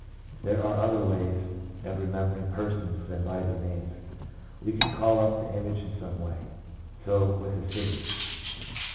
There are other ways of remembering persons than by their names. We can call up the image in some way. So with a city.